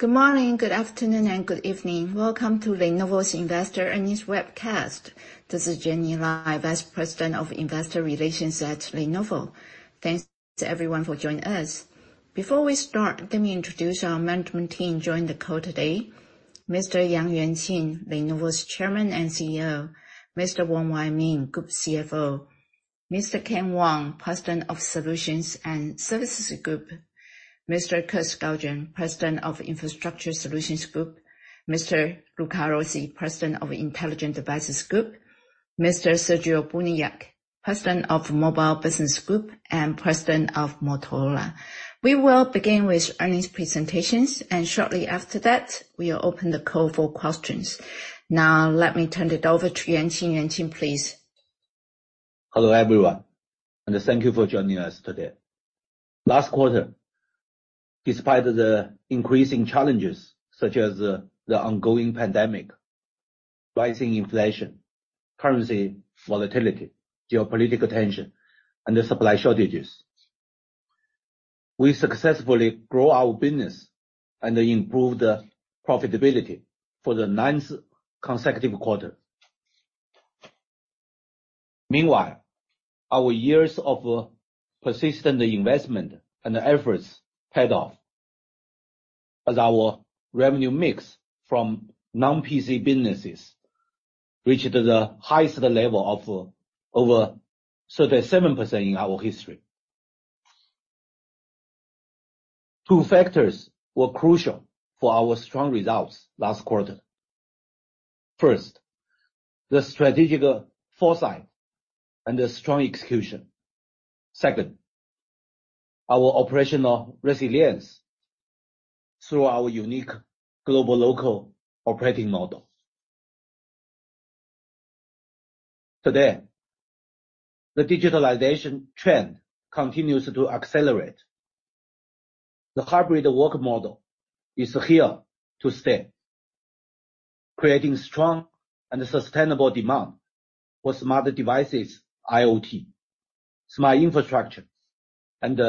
Good morning, good afternoon, and good evening. Welcome to Lenovo's Investor Earnings webcast. This is Jenny Lai, Vice President of Investor Relations at Lenovo. Thanks everyone for joining us. Before we start, let me introduce our management team joining the call today. Mr. Yang Yuanqing, Lenovo's Chairman and CEO. Mr. Wong Wai Ming, Group CFO. Mr. Ken Wong, President of Solutions and Services Group. Mr. Kirk Skaugen, President of Infrastructure Solutions Group. Mr. Luca Rossi, President of Intelligent Devices Group. Mr. Sergio Buniac, President of Mobile Business Group and President of Motorola. We will begin with earnings presentations, and shortly after that, we will open the call for questions. Now let me turn it over to Yang Yuanqing. Yang Yuanqing, please. Hello, everyone, and thank you for joining us today. Last quarter, despite the increasing challenges such as the ongoing pandemic, rising inflation, currency volatility, geopolitical tension, and the supply shortages, we successfully grow our business and improve the profitability for the ninth consecutive quarter. Meanwhile, our years of persistent investment and efforts paid off as our revenue mix from non-PC businesses reached the highest level of over 37% in our history. Two factors were crucial for our strong results last quarter. First, the strategical foresight and the strong execution. Second, our operational resilience through our unique global/local operating model. Today, the digitalization trend continues to accelerate. The hybrid work model is here to stay, creating strong and sustainable demand for smarter devices, IoT, smart infrastructure, and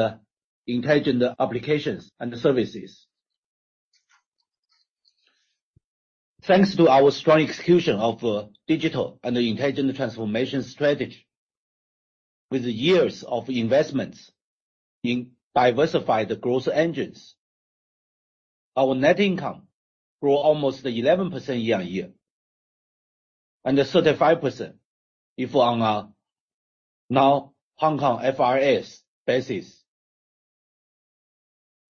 intelligent applications and services. Thanks to our strong execution of digital and intelligent transformation strategy. With years of investments in diversified growth engines, our net income grew almost 11% year-on-year, and 35% if on a non-HKFRS basis.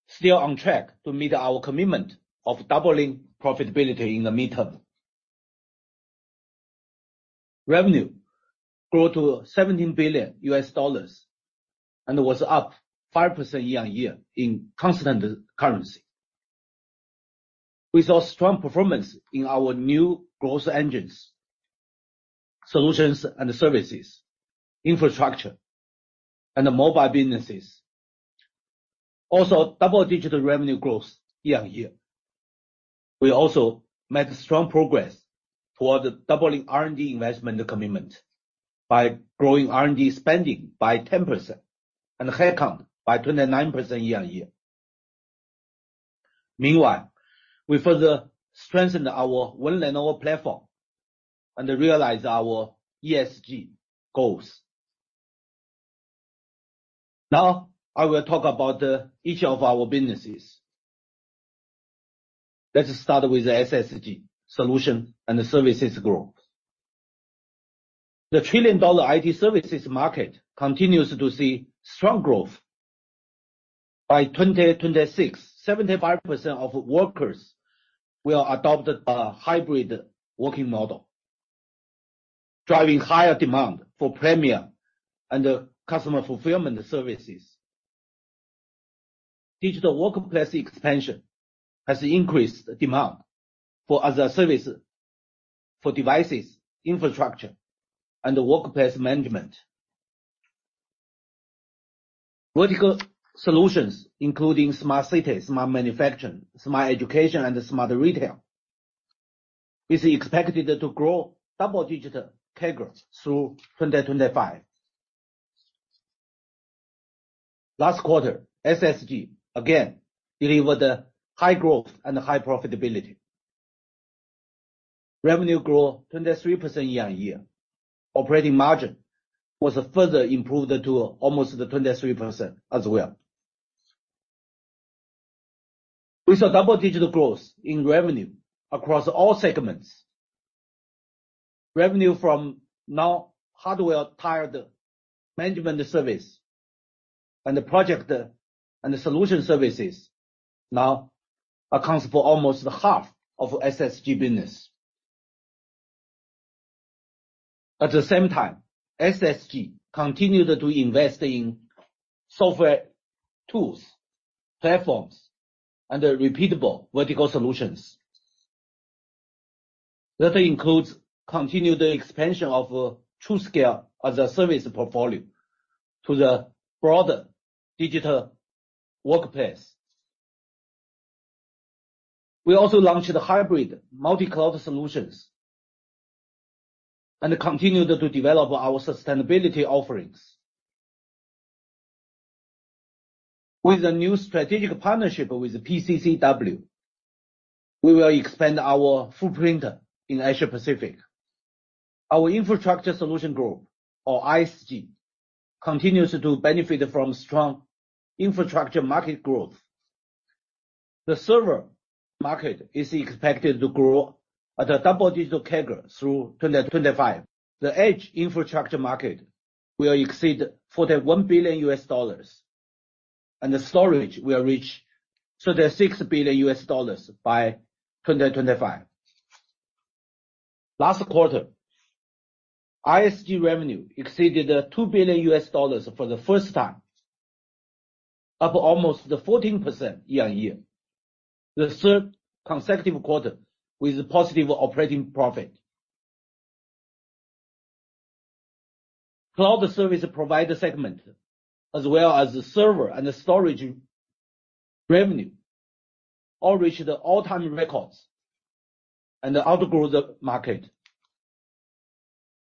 Still on track to meet our commitment of doubling profitability in the midterm. Revenue grew to $17 billion and was up 5% year-on-year in constant currency. We saw strong performance in our new growth engines, solutions and services, infrastructure, and the mobile businesses. Also, double-digit revenue growth year-on-year. We also made strong progress toward doubling R&D investment commitment by growing R&D spending by 10% and headcount by 29% year-on-year. Meanwhile, we further strengthened our one Lenovo platform and realized our ESG goals. Now I will talk about each of our businesses. Let's start with the SSG, Solutions and Services Group. The trillion-dollar IT services market continues to see strong growth. By 2026, 75% of workers will adopt a hybrid working model, driving higher demand for premium and customer fulfillment services. Digital workplace expansion has increased demand for other services for devices, infrastructure, and the workplace management. Vertical solutions, including smart cities, smart manufacturing, smart education, and smart retail, is expected to grow double-digit CAGR through 2025. Last quarter, SSG again delivered high growth and high profitability. Revenue grew 23% year-on-year. Operating margin was further improved to almost 23% as well. We saw double-digit growth in revenue across all segments. Revenue from non-hardware tiered management services and project and solution services now accounts for almost half of SSG business. At the same time, SSG continued to invest in software tools, platforms, and repeatable vertical solutions. That includes continued expansion of TruScale as-a-service portfolio to the broader digital workplace. We also launched hybrid multi-cloud solutions and continued to develop our sustainability offerings. With a new strategic partnership with PCCW, we will expand our footprint in Asia Pacific. Our infrastructure solution group, or ISG, continues to benefit from strong infrastructure market growth. The server market is expected to grow at a double-digit CAGR through 2025. The edge infrastructure market will exceed $41 billion, and the storage will reach $36 billion by 2025. Last quarter, ISG revenue exceeded $2 billion for the first time, up almost 14% year-on-year, the third consecutive quarter with positive operating profit. Cloud service provider segment, as well as the server and the storage revenue all reached all-time records and outgrew the market.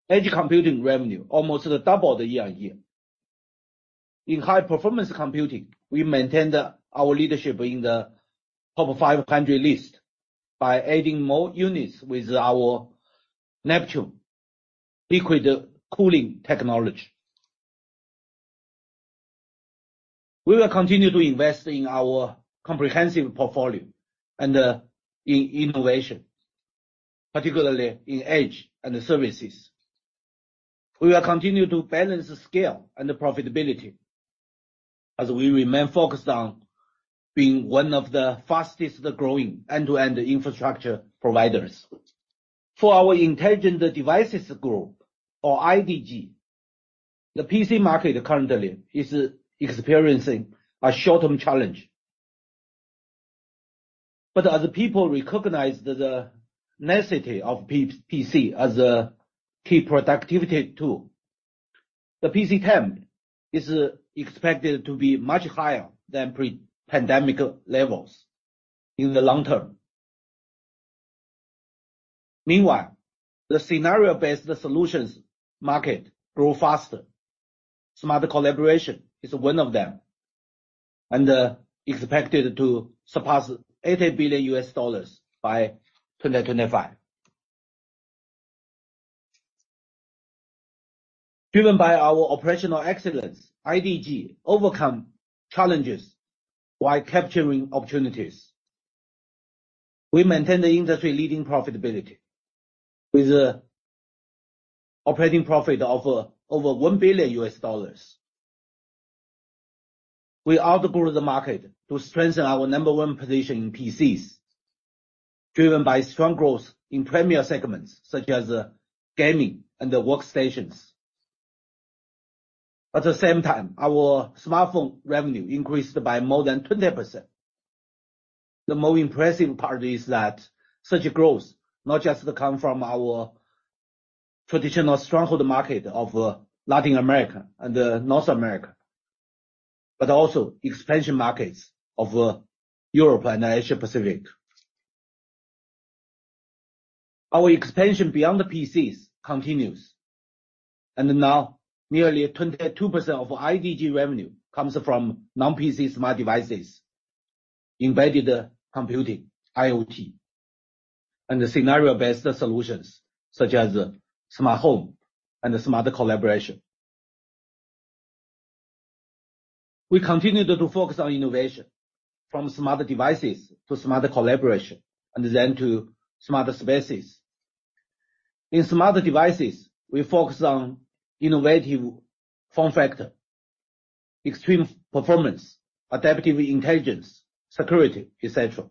Edge computing revenue almost doubled year-on-year. In high performance computing, we maintained our leadership in the TOP500 list by adding more units with our Neptune liquid cooling technology. We will continue to invest in our comprehensive portfolio and in innovation, particularly in edge and services. We will continue to balance the scale and the profitability as we remain focused on being one of the fastest growing end-to-end infrastructure providers. For our Intelligent Devices Group, or IDG, the PC market currently is experiencing a short-term challenge. As people recognize the necessity of PC as a key productivity tool, the PC TAM is expected to be much higher than pre-pandemic levels in the long term. Meanwhile, the scenario-based solutions market grow faster. Smart collaboration is one of them and expected to surpass $80 billion by 2025. Driven by our operational excellence, IDG overcome challenges while capturing opportunities. We maintain the industry-leading profitability with operating profit of over $1 billion. We outgrew the market to strengthen our number one position in PCs, driven by strong growth in premier segments such as gaming and workstations. At the same time, our smartphone revenue increased by more than 20%. The more impressive part is that such growth not just come from our traditional stronghold market of Latin America and North America, but also expansion markets of Europe and Asia Pacific. Our expansion beyond the PCs continues, and now nearly 22% of IDG revenue comes from non-PC smart devices, embedded computing, IoT, and the scenario-based solutions such as smart home and smart collaboration. We continue to focus on innovation from smart devices to smart collaboration, and then to smart spaces. In smart devices, we focus on innovative form factor, extreme performance, adaptive intelligence, security, etc.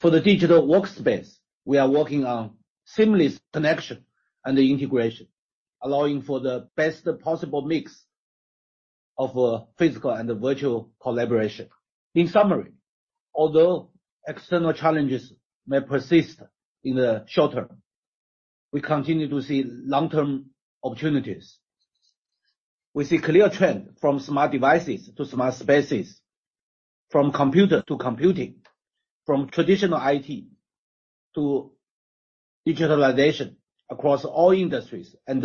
For the digital workspace, we are working on seamless connection and integration, allowing for the best possible mix of physical and virtual collaboration. In summary, although external challenges may persist in the short term, we continue to see long-term opportunities. We see clear trend from smart devices to smart spaces, from computer to computing, from traditional IT to digitalization across all industries and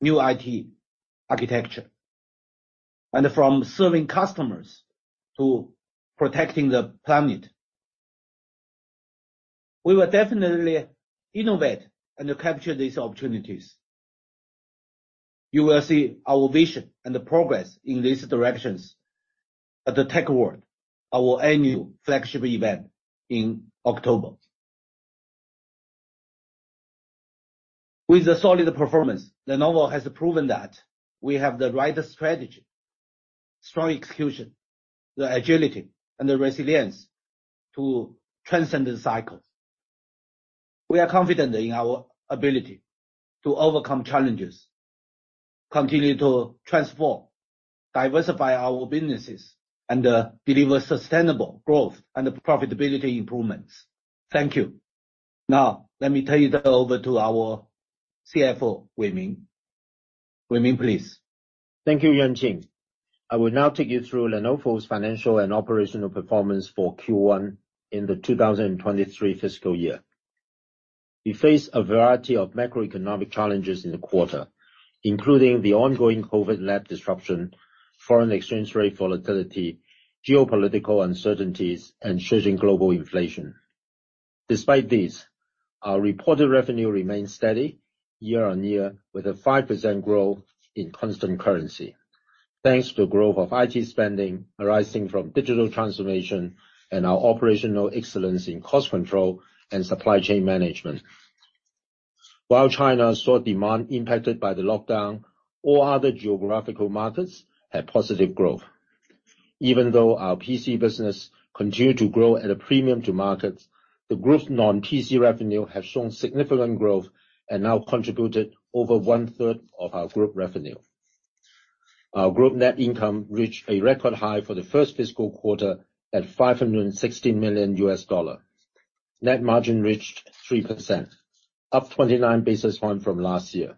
new IT architecture, and from serving customers to protecting the planet. We will definitely innovate and capture these opportunities. You will see our vision and progress in these directions at the Tech World, our annual flagship event in October. With a solid performance, Lenovo has proven that we have the right strategy, strong execution, the agility and the resilience to transcend the cycles. We are confident in our ability to overcome challenges, continue to transform, diversify our businesses, and deliver sustainable growth and profitability improvements. Thank you. Now let me turn it over to our CFO, Wong Wai Ming. Wong Wai Ming, please. Thank you, Yang Yuanqing. I will now take you through Lenovo's financial and operational performance for Q1 in the 2023 fiscal year. We faced a variety of macroeconomic challenges in the quarter, including the ongoing COVID-led disruption, foreign exchange rate volatility, geopolitical uncertainties, and shifting global inflation. Despite this, our reported revenue remains steady year-on-year with a 5% growth in constant currency. Thanks to growth of IT spending arising from digital transformation and our operational excellence in cost control and supply chain management. While China saw demand impacted by the lockdown, all other geographical markets had positive growth. Even though our PC business continued to grow at a premium to markets, the group's non-PC revenue has shown significant growth and now contributed over one-third of our group revenue. Our group net income reached a record high for the first fiscal quarter at $560 million. Net margin reached 3%, up 29 basis points from last year.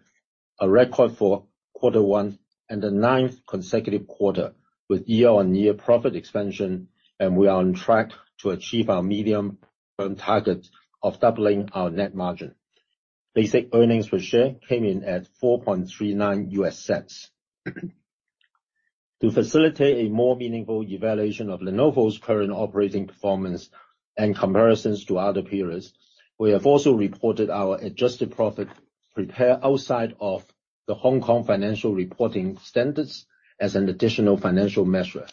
A record for quarter one and the ninth consecutive quarter with year-on-year profit expansion, and we are on track to achieve our medium-term target of doubling our net margin. Basic earnings per share came in at $0.0439. To facilitate a more meaningful evaluation of Lenovo's current operating performance and comparisons to other periods, we have also reported our adjusted profit prepared outside of the Hong Kong Financial Reporting Standards as an additional financial measure.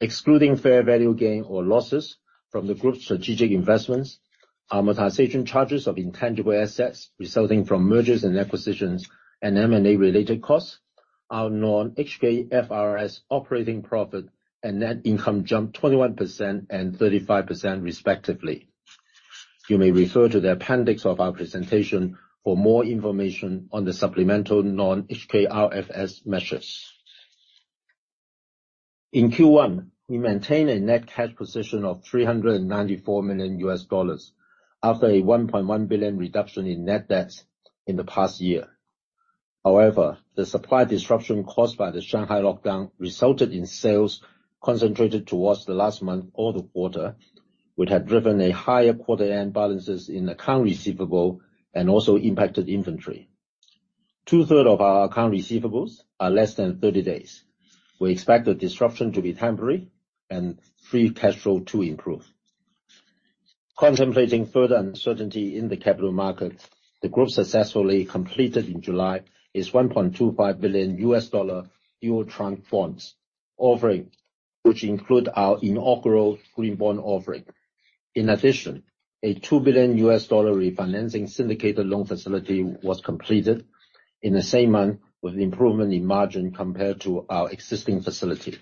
Excluding fair value gain or losses from the group's strategic investments, amortization charges of intangible assets resulting from mergers and acquisitions, and M&A related costs, our non-HKFRS operating profit and net income jumped 21% and 35% respectively. You may refer to the appendix of our presentation for more information on the supplemental non-HKFRS measures. In Q1, we maintain a net cash position of $394 million after a $1.1 billion reduction in net debt in the past year. However, the supply disruption caused by the Shanghai lockdown resulted in sales concentrated towards the last month of the quarter, which had driven a higher quarter-end balances in accounts receivable and also impacted inventory. Two-thirds of our accounts receivable are less than 30 days. We expect the disruption to be temporary and free cash flow to improve. Contemplating further uncertainty in the capital market, the group successfully completed in July its $1.25 billion Euro-tranche bonds offering, which include our inaugural green bond offering. In addition, a $2 billion refinancing syndicated loan facility was completed in the same month with improvement in margin compared to our existing facility.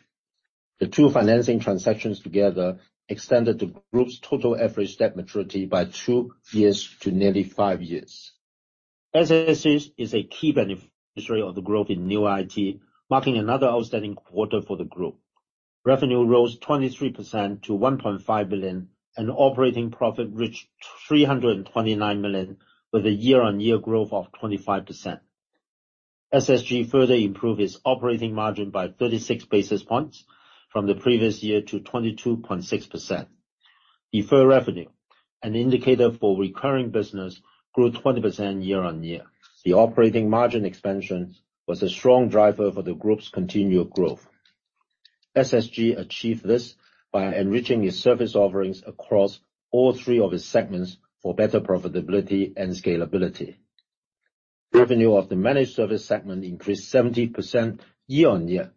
The two financing transactions together extended the group's total average debt maturity by 2 years to nearly 5 years. SSG is a key beneficiary of the growth in new IT, marking another outstanding quarter for the group. Revenue rose 23% to $1.5 billion, and operating profit reached $329 million, with a year-on-year growth of 25%. SSG further improved its operating margin by 36 basis points from the previous year to 22.6%. Deferred revenue, an indicator for recurring business, grew 20% year-over-year. The operating margin expansion was a strong driver for the group's continued growth. SSG achieved this by enriching its service offerings across all three of its segments for better profitability and scalability. Revenue of the managed service segment increased 70% year-over-year.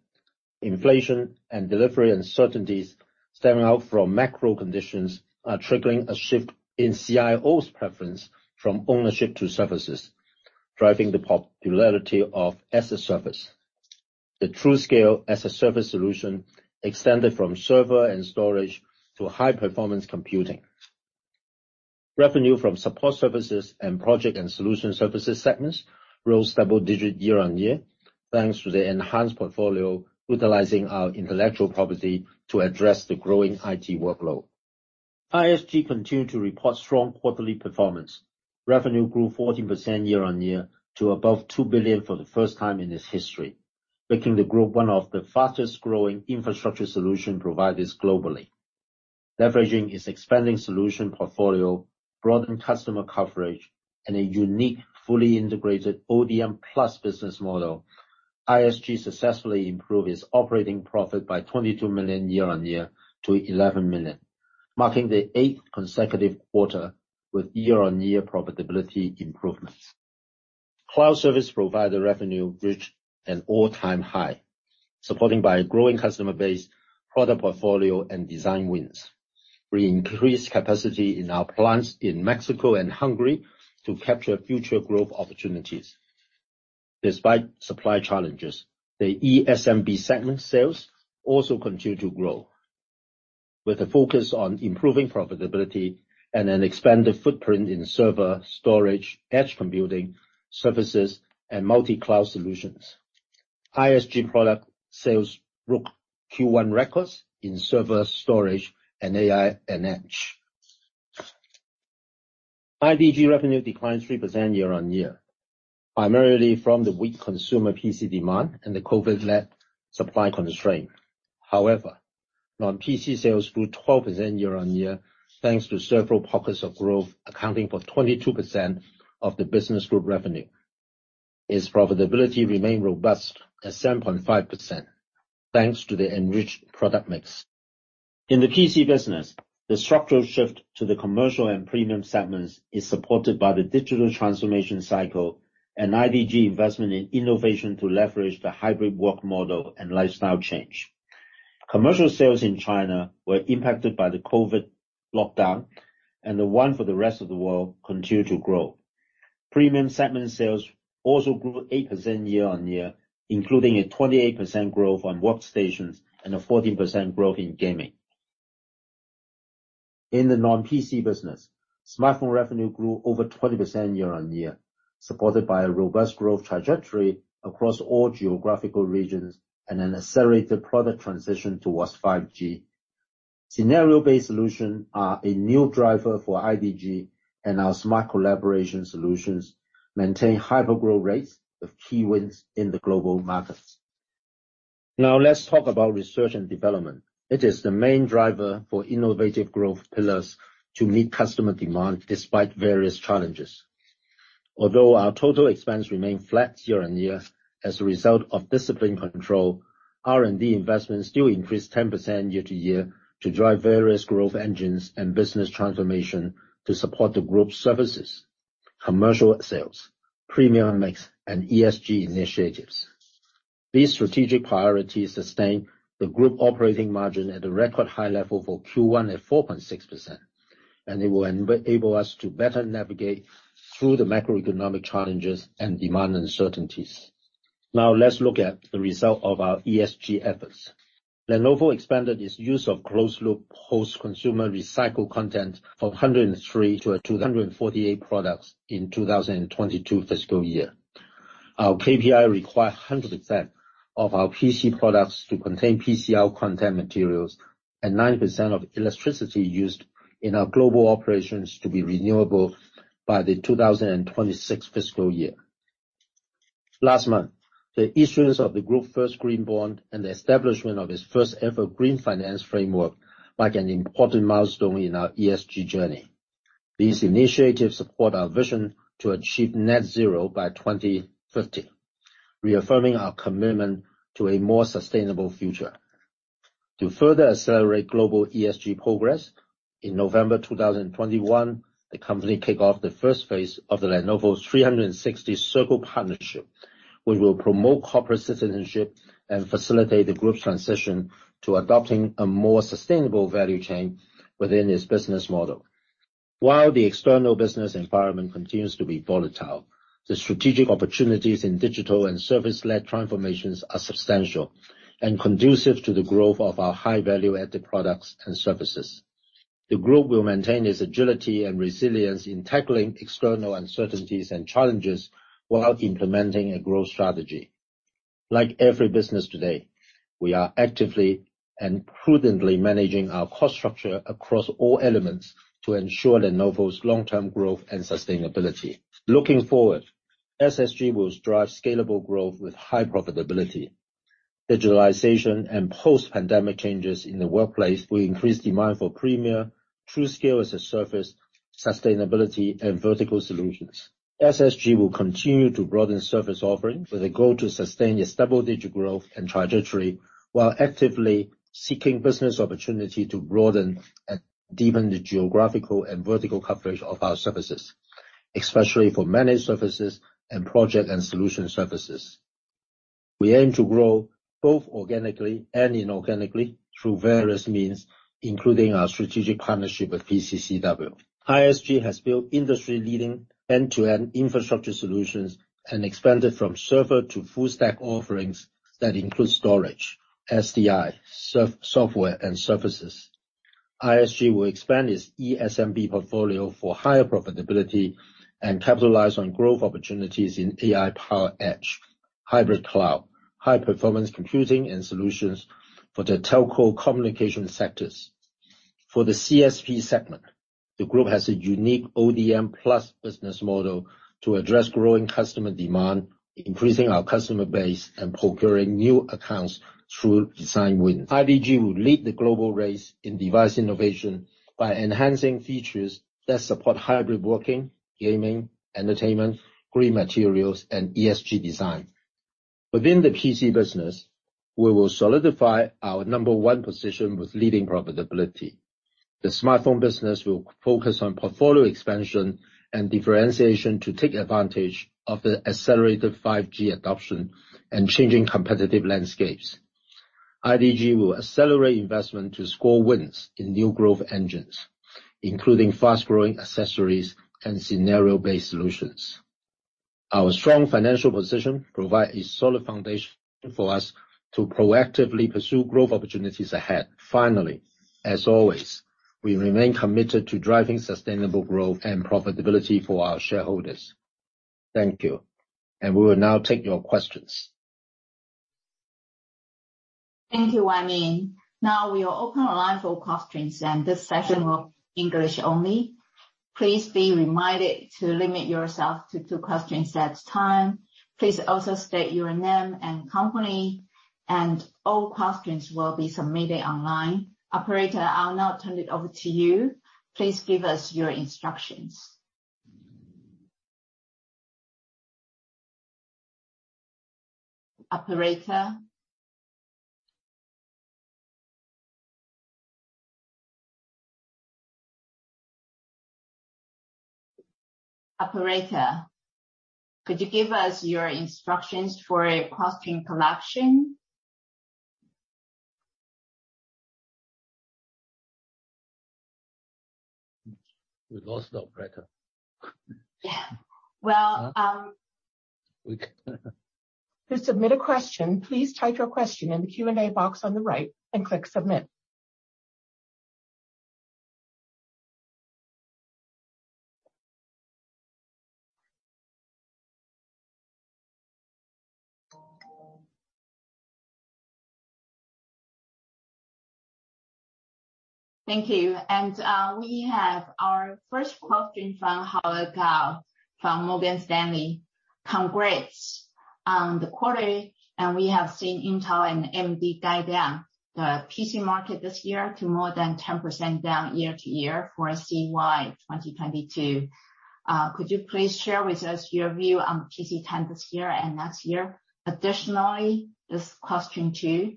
Inflation and delivery uncertainties stemming from macro conditions are triggering a shift in CIO's preference from ownership to services, driving the popularity of as-a-service. The TruScale as-a-service solution extended from server and storage to high-performance computing. Revenue from support services and project and solution services segments rose double-digit year-on-year, thanks to the enhanced portfolio utilizing our intellectual property to address the growing IT workload. ISG continued to report strong quarterly performance. Revenue grew 14% year-on-year to above $2 billion for the first time in its history, making the group one of the fastest-growing infrastructure solution providers globally. Leveraging its expanding solution portfolio, broadened customer coverage, and a unique, fully integrated ODM Plus business model, ISG successfully improved its operating profit by $22 million year-on-year to $11 million, marking the 8th consecutive quarter with year-on-year profitability improvements. Cloud service provider revenue reached an all-time high, supported by a growing customer base, product portfolio, and design wins. We increased capacity in our plants in Mexico and Hungary to capture future growth opportunities. Despite supply challenges, the ESMB segment sales also continued to grow with a focus on improving profitability and an expanded footprint in server, storage, edge computing, services, and multi-cloud solutions. ISG product sales broke Q1 records in server, storage, and AI and edge. IDG revenue declined 3% year-on-year. Primarily from the weak consumer PC demand and the COVID-led supply constraint. However, non-PC sales grew 12% year-on-year, thanks to several pockets of growth, accounting for 22% of the business group revenue. Its profitability remained robust at 7.5%, thanks to the enriched product mix. In the PC business, the structural shift to the commercial and premium segments is supported by the digital transformation cycle and IDG investment in innovation to leverage the hybrid work model and lifestyle change. Commercial sales in China were impacted by the COVID lockdown, and the one for the rest of the world continued to grow. Premium segment sales also grew 8% year-on-year, including a 28% growth on workstations and a 14% growth in gaming. In the non-PC business, smartphone revenue grew over 20% year-on-year, supported by a robust growth trajectory across all geographical regions and an accelerated product transition towards 5G. Scenario-based solution are a new driver for IDG, and our smart collaboration solutions maintain hyper growth rates with key wins in the global markets. Now, let's talk about research and development. It is the main driver for innovative growth pillars to meet customer demand despite various challenges. Although our total expense remained flat year-over-year as a result of disciplined control, R&D investments still increased 10% year-over-year to drive various growth engines and business transformation to support the group services, commercial sales, premium mix, and ESG initiatives. These strategic priorities sustain the group operating margin at a record high level for Q1 at 4.6%, and they will enable us to better navigate through the macroeconomic challenges and demand uncertainties. Now, let's look at the result of our ESG efforts. Lenovo expanded its use of closed-loop post-consumer recycled content from 103 to 248 products in 2022 fiscal year. Our KPIs require 100% of our PC products to contain PCR content materials and 9% of electricity used in our global operations to be renewable by the 2026 fiscal year. Last month, the issuance of the group's first green bond and the establishment of its first-ever green finance framework mark an important milestone in our ESG journey. These initiatives support our vision to achieve net zero by 2050, reaffirming our commitment to a more sustainable future. To further accelerate global ESG progress, in November 2021, the company kicked off the first phase of the Lenovo 360 Circle Partnership. We will promote corporate citizenship and facilitate the group's transition to adopting a more sustainable value chain within its business model. While the external business environment continues to be volatile, the strategic opportunities in digital and service-led transformations are substantial and conducive to the growth of our high value added products and services. The group will maintain its agility and resilience in tackling external uncertainties and challenges while implementing a growth strategy. Like every business today, we are actively and prudently managing our cost structure across all elements to ensure Lenovo's long-term growth and sustainability. Looking forward, SSG will drive scalable growth with high profitability. Digitalization and post-pandemic changes in the workplace will increase demand for premier, TruScale as-a-service, sustainability, and vertical solutions. SSG will continue to broaden service offerings with a goal to sustain its double-digit growth and trajectory while actively seeking business opportunity to broaden and deepen the geographical and vertical coverage of our services, especially for managed services and project and solution services. We aim to grow both organically and inorganically through various means, including our strategic partnership with PCCW. ISG has built industry-leading end-to-end infrastructure solutions and expanded from server to full stack offerings that include storage, SDI, server software, and services. ISG will expand its ESMB portfolio for higher profitability and capitalize on growth opportunities in AI-powered edge, hybrid cloud, high-performance computing, and solutions for the telco communication sectors. For the CSP segment, the group has a unique ODM Plus business model to address growing customer demand, increasing our customer base, and procuring new accounts through design wins. IDG will lead the global race in device innovation by enhancing features that support hybrid working, gaming, entertainment, green materials, and ESG design. Within the PC business, we will solidify our number one position with leading profitability. The smartphone business will focus on portfolio expansion and differentiation to take advantage of the accelerated 5G adoption and changing competitive landscapes. IDG will accelerate investment to score wins in new growth engines, including fast-growing accessories and scenario-based solutions. Our strong financial position provide a solid foundation for us to proactively pursue growth opportunities ahead. Finally, as always, we remain committed to driving sustainable growth and profitability for our shareholders. Thank you. We will now take your questions. Thank you, Wong Wai Ming. Now we will open the line for questions, and this session will be English only. Please be reminded to limit yourself to two questions at a time. Please also state your name and company, and all questions will be submitted online. Operator, I'll now turn it over to you. Please give us your instructions. Operator? Operator, could you give us your instructions for question collection? We lost the operator. Well. To submit a question, please type your question in the Q&A box on the right and click Submit. Thank you. We have our first question from Howard Kao from Morgan Stanley. Congrats on the quarter. We have seen Intel and AMD guide down the PC market this year to more than 10% down year-to-year for CY 2022. Could you please share with us your view on PC TAM this year and next year? Additionally, this question two,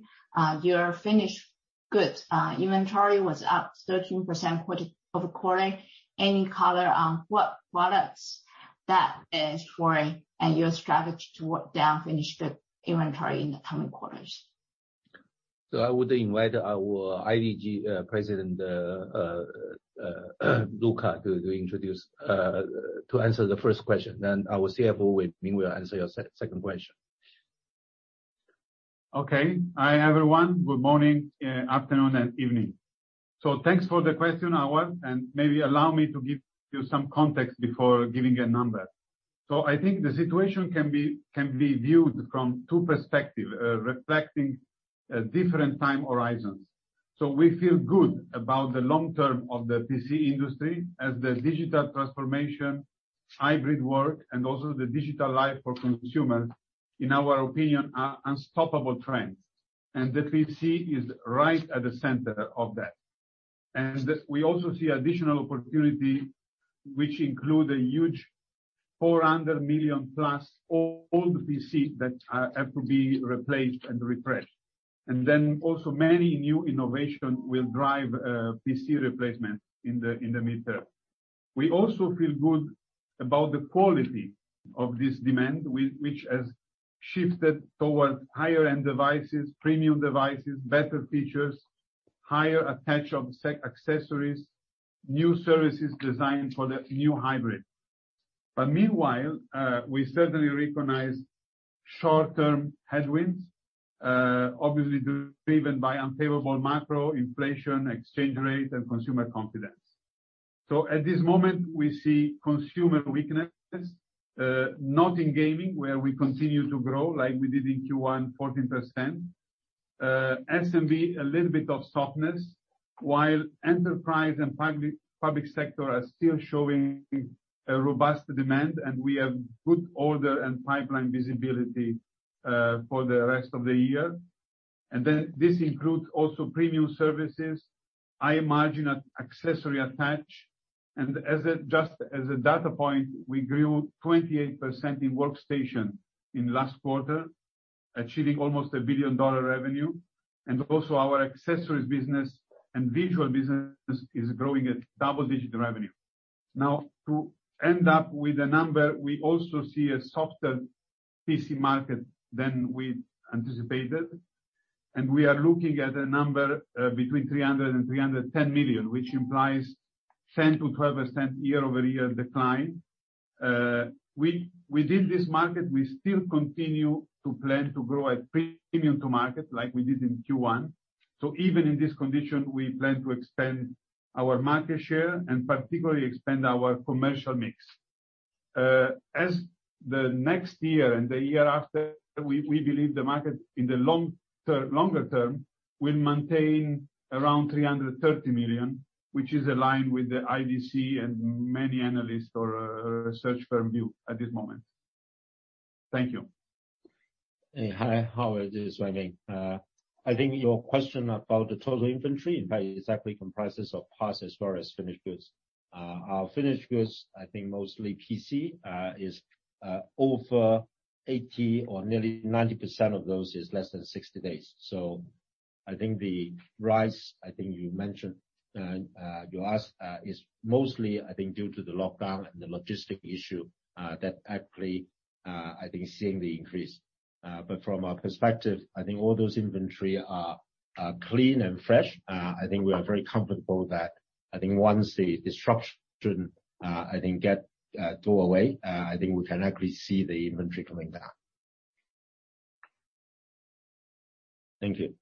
your finished goods inventory was up 13% quarter-over-quarter. Any color on what products that is for and your strategy to work down finished goods inventory in the coming quarters? I would invite our IDG President Luca Rossi to answer the first question. Our CFO with me will answer your second question. Okay. Hi, everyone. Good morning, afternoon and evening. Thanks for the question, Howard, and maybe allow me to give you some context before giving a number. I think the situation can be viewed from two perspectives, reflecting different time horizons. We feel good about the long term of the PC industry as the digital transformation, hybrid work, and also the digital life for consumers, in our opinion, are unstoppable trends. The PC is right at the center of that. We also see additional opportunities which include a huge 400 million-plus old PCs that have to be replaced and refreshed. Many new innovations will drive PC replacement in the mid-term. We also feel good about the quality of this demand, which has shifted towards higher-end devices, premium devices, better features, higher attach of accessories, new services designed for the new hybrid. Meanwhile, we certainly recognize short-term headwinds, obviously driven by unfavorable macro, inflation, exchange rate, and consumer confidence. At this moment, we see consumer weakness, not in gaming, where we continue to grow like we did in Q1 14%. SMB, a little bit of softness, while enterprise and public sector are still showing a robust demand, and we have good order and pipeline visibility, for the rest of the year. Then this includes also premium services, high margin accessory attach. As a data point, we grew 28% in workstation in last quarter, achieving almost a billion-dollar revenue. Our accessories business and visual business is growing at double-digit revenue. To end up with a number, we also see a softer PC market than we anticipated, and we are looking at a number between 300 and 310 million, which implies 10% to 12% year-over-year decline. Within this market, we still continue to plan to grow at premium to market like we did in Q1. Even in this condition, we plan to expand our market share and particularly expand our commercial mix. For the next year and the year after, we believe the market in the longer term will maintain around 330 million, which is aligned with the IDC and many analysts or research firm view at this moment. Thank you. Hi, Howard. This is Wong Wai Ming. I think your question about the total inventory and what exactly it comprises of parts as far as finished goods. Our finished goods, I think mostly PC is over 80 or nearly 90% of those is less than 60 days. I think the rise, I think you mentioned, you asked, is mostly, I think, due to the lockdown and the logistics issue, that actually I think seeing the increase. From our perspective, I think all those inventory are clean and fresh. I think we are very comfortable that I think once the disruption I think go away, I think we can actually see the inventory coming down. Thank you.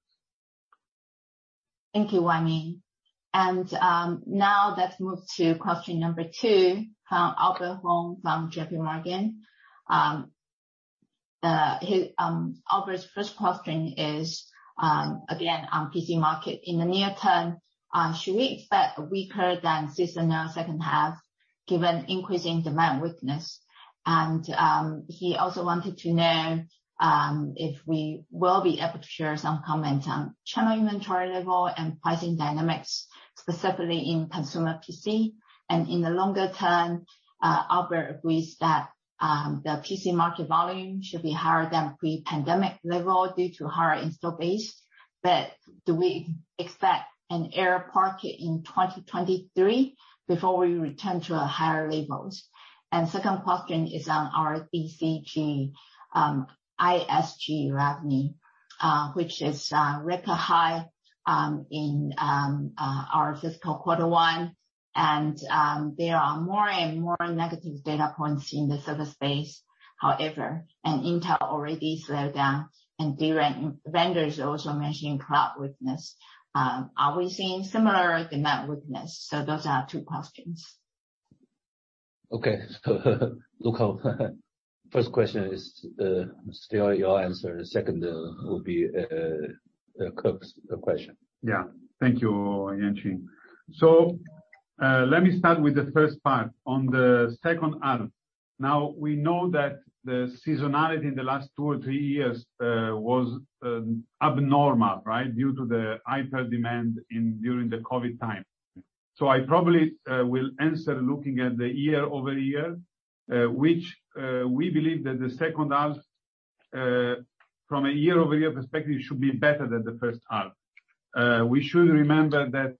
Thank you, Wong. Now let's move to question number 2 from Albert Hung from JP Morgan. Albert's first question is again on PC market. In the near term, should we expect weaker than seasonal second half given increasing demand weakness? He also wanted to know if we will be able to share some comment on channel inventory level and pricing dynamics, specifically in consumer PC. In the longer term, Albert agrees that the PC market volume should be higher than pre-pandemic level due to higher installed base. But do we expect a lower market in 2023 before we return to higher levels? Second question is on our ISG revenue, which is record high in our fiscal quarter one, and there are more and more negative data points in the server space. However, Intel already slowed down, and DRAM vendors also mentioning cloud weakness. Are we seeing similar demand weakness? Those are two questions. Okay. Luca, first question is still your answer. The second will be Kirk's question. Thank you, Yang Yuanqing. Let me start with the first part. On the second half, now we know that the seasonality in the last two or three years was abnormal, right? Due to the hyper demand during the COVID time. I probably will answer looking at the year-over-year, which we believe that the second half from a year-over-year perspective should be better than the first half. We should remember that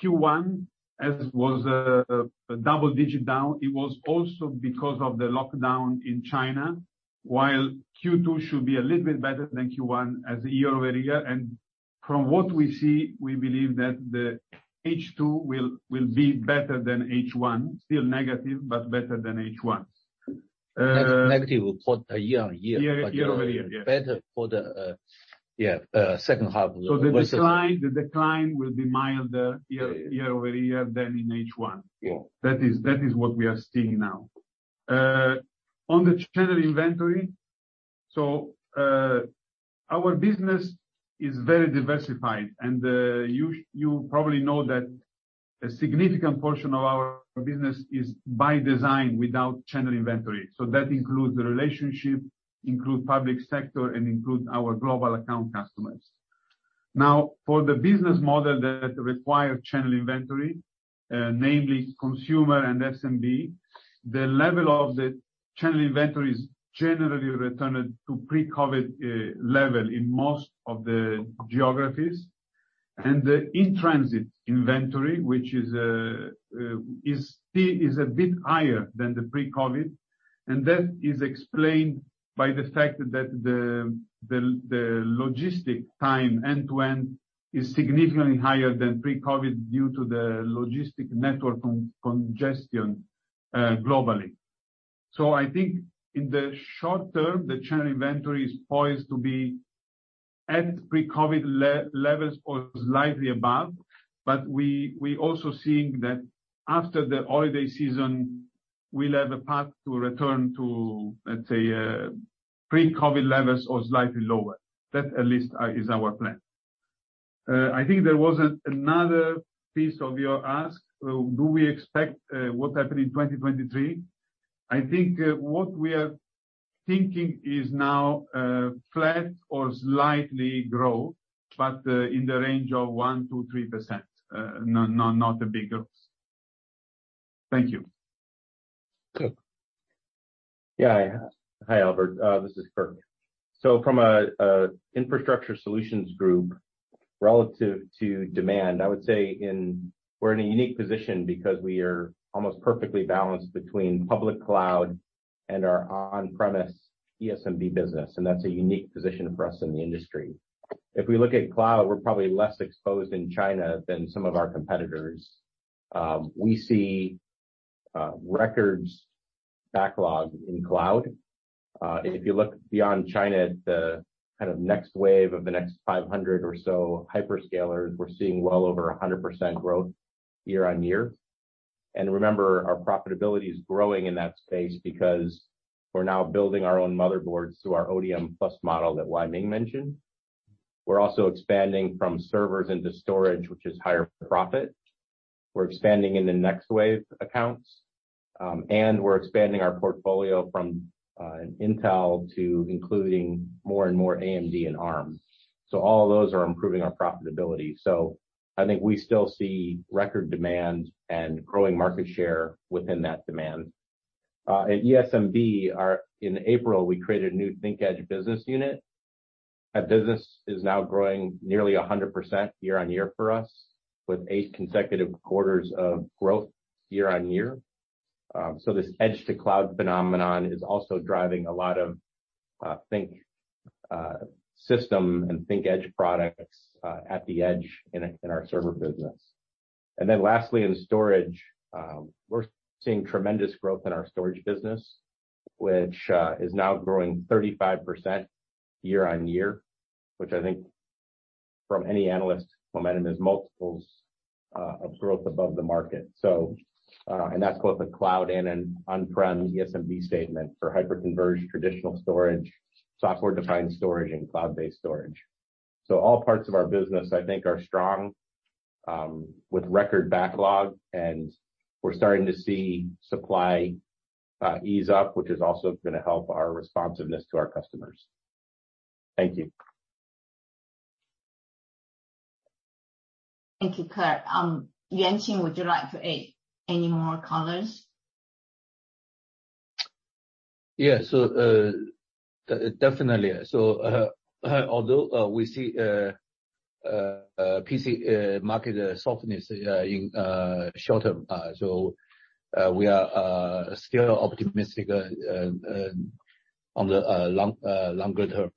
Q1 was a double-digit down, it was also because of the lockdown in China, while Q2 should be a little bit better than Q1 as a year-over-year. From what we see, we believe that the H2 will be better than H1. Still negative, but better than H1. Negative for the year-over-year. Year-over-year. Yes. Better for the second half of the. The decline will be milder year-over-year than in H1. That is what we are seeing now. On the channel inventory, our business is very diversified and you probably know that a significant portion of our business is by design without channel inventory. That includes the relationship, public sector, and our global account customers. Now, for the business model that require channel inventory, namely consumer and SMB, the level of the channel inventory is generally returned to pre-COVID level in most of the geographies. The in-transit inventory, which is still a bit higher than the pre-COVID level. That is explained by the fact that the logistics time end-to-end is significantly higher than pre-COVID due to the logistics network congestion globally. I think in the short term, the channel inventory is poised to be at pre-COVID levels or slightly above. We also seeing that after the holiday season, we'll have a path to return to, let's say, pre-COVID levels or slightly lower. That at least is our plan. I think there was another piece of your ask. Do we expect what happened in 2023? I think what we are thinking is now flat or slightly growth, but in the range of 1%-3%. Not a big growth. Thank you. Kirk. Hi, Albert. This is Kirk. From a Infrastructure Solutions Group relative to demand, I would say we're in a unique position because we are almost perfectly balanced between public cloud and our on-premise ESMB business, and that's a unique position for us in the industry. If we look at cloud, we're probably less exposed in China than some of our competitors. We see records backlog in cloud. If you look beyond China at the kind of next wave of the next 500 or hyperscalers, we're seeing well over 100% growth year-on-year. Remember, our profitability is growing in that space because we're now building our own motherboards through our ODM Plus model that Wong Wai Ming mentioned. We're also expanding from servers into storage, which is higher profit. We're expanding into next wave accounts, and we're expanding our portfolio from Intel to including more and more AMD and Arm. All of those are improving our profitability. I think we still see record demand and growing market share within that demand. At ESMB, in April, we created a new ThinkEdge business unit. That business is now growing nearly 100% year-on-year for us with eight consecutive quarters of growth year-on-year. This edge-to-cloud phenomenon is also driving a lot of ThinkSystem and ThinkEdge products at the edge in our server business. Lastly, in storage, we're seeing tremendous growth in our storage business, which is now growing 35% year-on-year, which I think from any analyst momentum is multiples of growth above the market. That's both a cloud and an on-prem ESMB statement for hyper-converged traditional storage, software-defined storage and cloud-based storage. All parts of our business, I think, are strong, with record backlog, and we're starting to see supply ease up, which is also gonna help our responsiveness to our customers. Thank you. Thank you, Kirk Skaugen. Yang Yuanqing, would you like to add any more comments? Definitely, although we see PC market softness in short term, we are still optimistic on the longer term.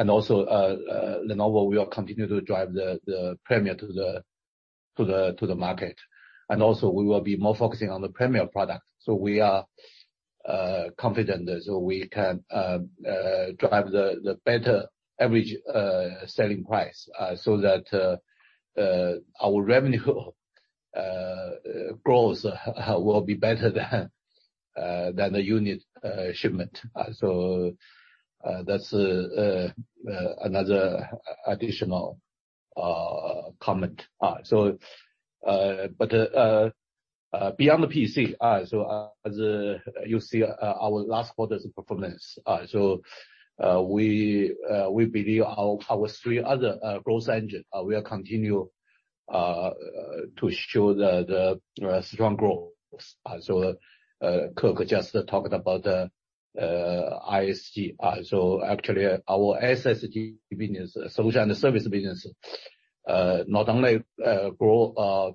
Lenovo will continue to drive the premium to the market. We will be more focusing on the premium product. We are confident that we can drive the better average selling price, that our revenue growth will be better than the unit shipment. That's another additional comment. Beyond the PC, as you see our last quarter's performance, we believe our three other growth engine will continue to show the strong growth. Kirk just talked about ISG. Actually our SSG business, solution and service business, not only grow,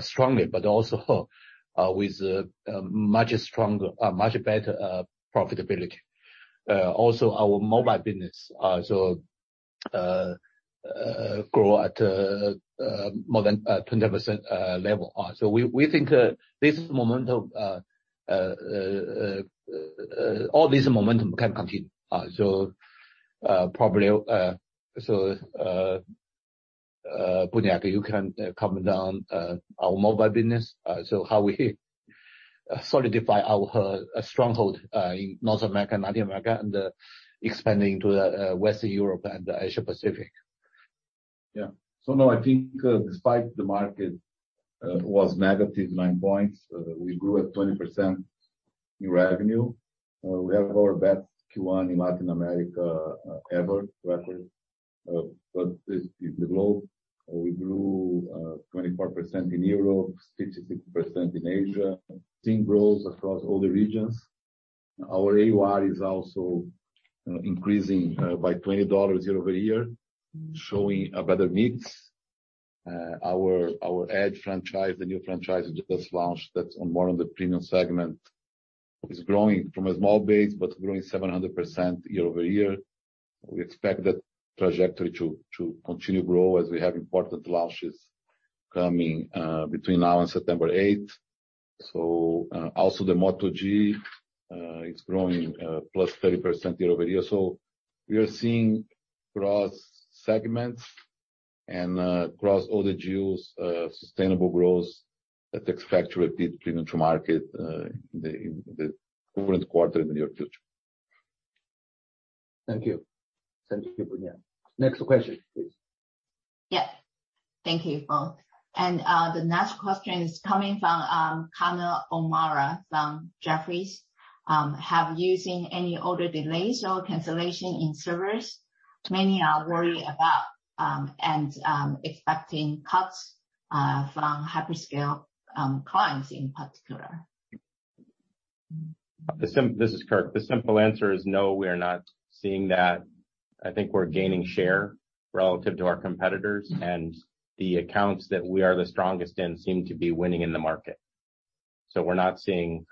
strongly, but also with a much better profitability. Also our mobile business grow at more than 20% level. We think all this momentum can continue. Probably, Sergio Buniac, you can comment on our mobile business. How we solidify our stronghold in North America and Latin America, and expanding to Western Europe and Asia Pacific. No, I think despite the market was negative 9%, we grew at 20% in revenue. We have our best Q1 in Latin America ever. Globally, we grew 24% in Europe, 66% in Asia. Seeing growth across all the regions. Our AUR is also increasing by $20 year over year, showing a better mix. Our Edge franchise, the new franchise we just launched, that's more on the premium segment, is growing from a small base, but growing 700% year over year. We expect that trajectory to continue to grow as we have important launches coming between now and September eighth. Also the Moto G is growing +30% year over year. We are seeing across segments and across all the geos sustainable growth that factors a bit between intra-market, the current quarter in the near future. Thank you. Thank you, Buniac. Next question, please. Thank you both. The next question is coming from Conor O'Mara from Jefferies. Have you seen any order delays or cancellations in servers? Many are worried about and expecting cuts from hyperscale clients in particular. This is Kirk. The simple answer is no, we are not seeing that. I think we're gaining share relative to our competitors, and the accounts that we are the strongest in seem to be winning in the market. We're not seeing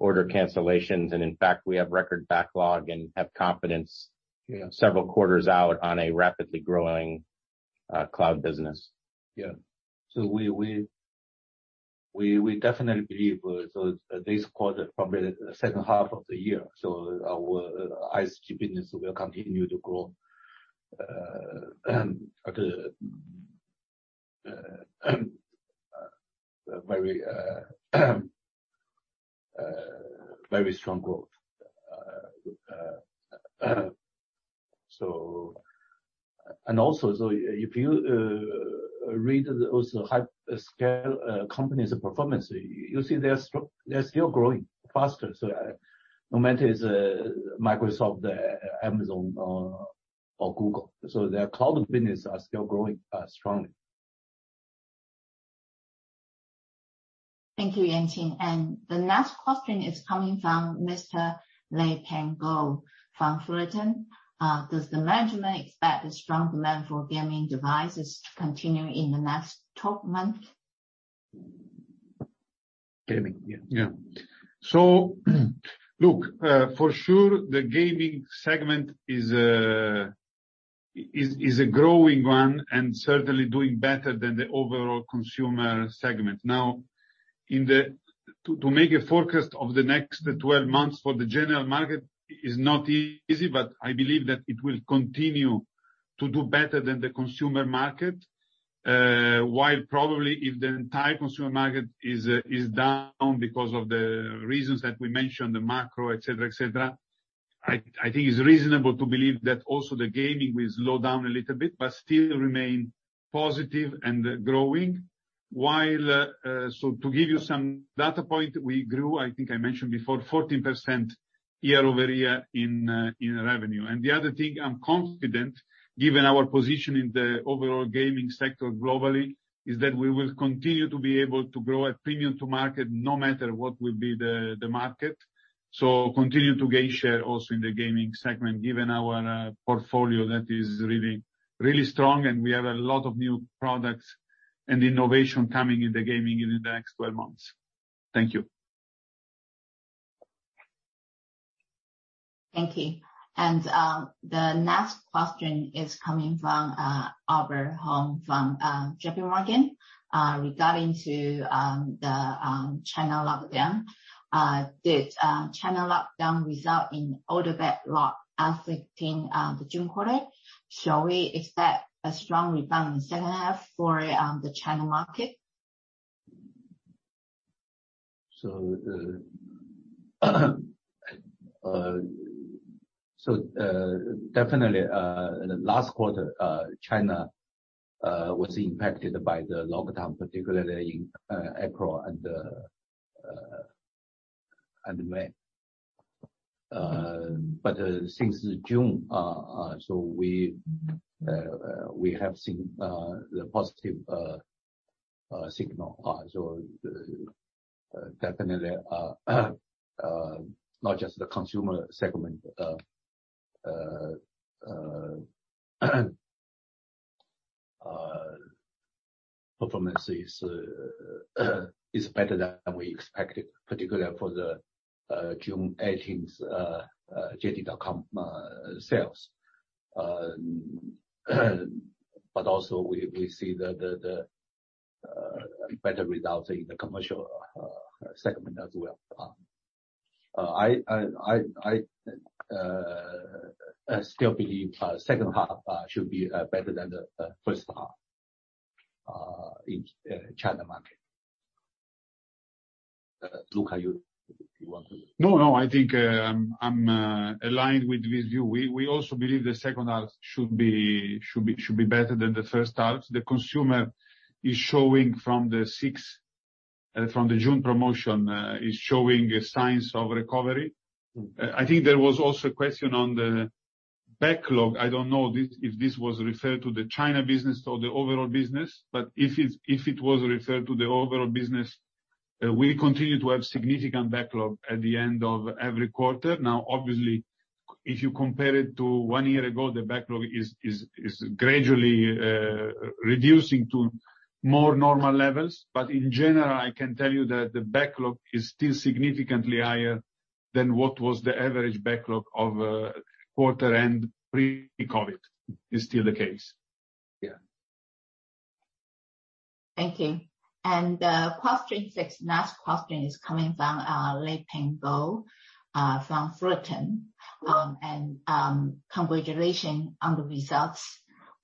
order cancellations. In fact, we have record backlog and have confidence. several quarters out on a rapidly growing cloud business. We definitely believe this quarter probably the second half of the year our ICT business will continue to grow at a very strong growth. If you also read hyperscale companies performance, you'll see they're still growing faster. No matter if it's Microsoft, Amazon or Google. Their cloud business are still growing strongly. Thank you, Yang Yuanqing. The next question is coming from Mr. Leping Huang from Fullerton. Does the management expect a strong demand for gaming devices to continue in the next 12 months? Gaming. Look, for sure the gaming segment is a growing one and certainly doing better than the overall consumer segment. To make a forecast of the next 12 months for the general market is not easy, but I believe that it will continue to do better than the consumer market. Probably if the entire consumer market is down because of the reasons that we mentioned, the macro, et cetera, I think it's reasonable to believe that also the gaming will slow down a little bit, but still remain positive and growing. To give you some data point, we grew, I think I mentioned before, 14% year-over-year in revenue. The other thing I'm confident, given our position in the overall gaming sector globally, is that we will continue to be able to grow at premium to market no matter what will be the market. Continue to gain share also in the gaming segment, given our portfolio that is really, really strong and we have a lot of new products and innovation coming in the gaming in the next 12 months. Thank you. Thank you. The next question is coming from Albert Hung from JP Morgan. Regarding the China lockdown. Did the China lockdown result in order backlog affecting the June quarter? Shall we expect a strong rebound in the second half for the China market? Definitely, last quarter, China was impacted by the lockdown, particularly in April and May. Since June, we have seen the positive signal. Definitely, not just the consumer segment performance is better than we expected, particularly for the June eighteenth JD.com sales. Also, we see the better results in the commercial segment as well. I still believe second half should be better than the first half in China market. Luca, you want to? No. I think I'm aligned with this view. We also believe the second half should be better than the first half. The consumer is showing from the June promotion is showing signs of recovery. I think there was also a question on the backlog. I don't know if this was referred to the China business or the overall business. If it was referred to the overall business, we continue to have significant backlog at the end of every quarter. Now, obviously, if you compare it to one year ago, the backlog is gradually reducing to more normal levels. In general, I can tell you that the backlog is still significantly higher than what was the average backlog of quarter end pre-COVID. It is still the case. Thank you. Question six. Next question is coming from Liping Bo from Thornburg. Congratulations on the results.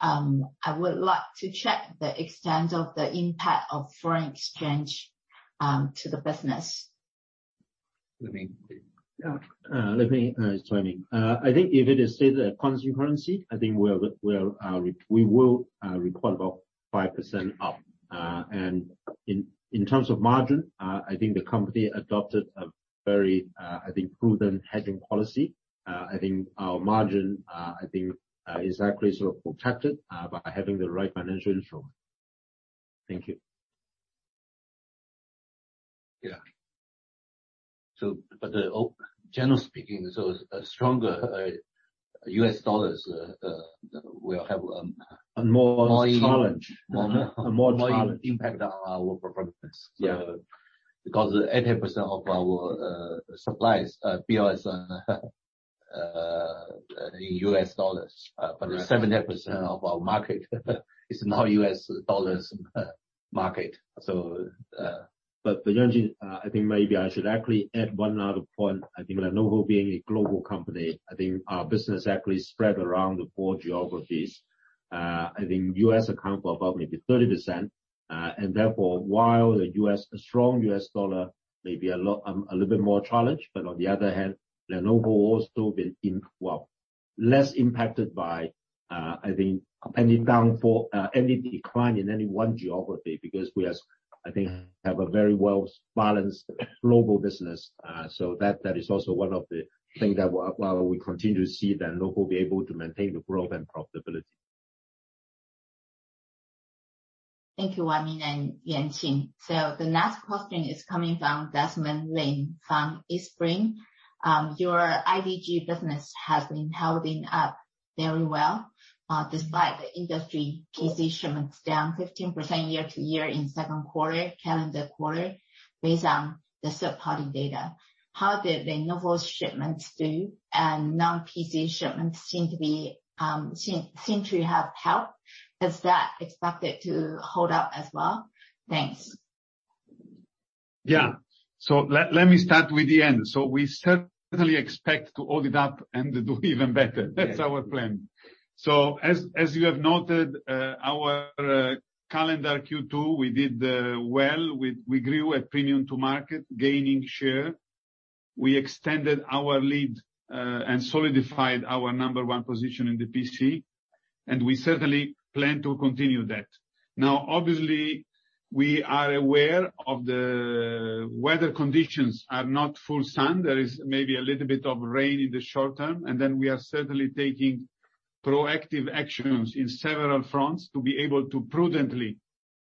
I would like to check the extent of the impact of foreign exchange to the business. Let me join in. I think if it is still the currency, I think we will report about 5% up. In terms of margin, I think the company adopted a very, I think prudent hedging policy. I think our margin, I think, is actually sort of protected by having the right financial instrument. Thank you. Generally speaking, a stronger U.S. dollar will have More challenge. More impact on our performance. Because 80% of our supplies bills are in U.S. dollars. 70% of our market is now U.S. dollars market. Yang Yuanqing, I think maybe I should actually add one other point. I think Lenovo being a global company, I think our business actually spread around the four geographies. I think U.S. account for about maybe 30%. Therefore, while the U.S., a strong U.S. dollar may be a lot, a little bit more challenge. On the other hand, Lenovo will still be well less impacted by, I think any downfall, any decline in any one geography because we have a very well-balanced global business. That is also one of the things that while we continue to see Lenovo be able to maintain the growth and profitability. Thank you, Wong Wai Ming and Yang Yuanqing. The next question is coming from Desmond Ling from Eastspring Investments. Your IDG business has been holding up very well. Despite the industry PC shipments down 15% year-over-year in second quarter, calendar quarter, based on the third-party data. How did Lenovo's shipments do? Non-PC shipments seem to have helped. Is that expected to hold up as well? Thanks. Let me start with the end. We certainly expect to hold it up and do even better. That's our plan. As you have noted, our calendar Q2, we did well. We grew at premium to market, gaining share. We extended our lead and solidified our number one position in the PC, and we certainly plan to continue that. Now, obviously, we are aware of the weather conditions are not full sun. There is maybe a little bit of rain in the short term, and we are certainly taking proactive actions in several fronts to be able to prudently